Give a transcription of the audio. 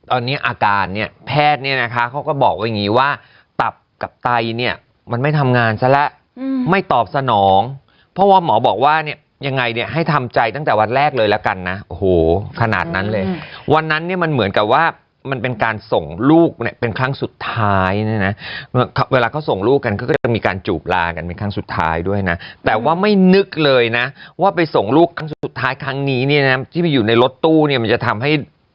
อันนี้อาการเนี่ยแพทย์เนี่ยนะคะเขาก็บอกว่าอย่างงี้ว่าตับกับไตเนี่ยมันไม่ทำงานซะละไม่ตอบซะน้องเพราะว่าหมอบอกว่าเนี่ยยังไงเนี่ยให้ทำใจตั้งแต่วันแรกเลยละกันนะโหขนาดนั้นเลยวันนั้นเนี่ยมันเหมือนกับว่ามันเป็นการส่งลูกเนี่ยเป็นครั้งสุดท้ายเนี่ยนะเวลาเขาส่งลูกกันก็จะมีการจูบลากันเป็นครั้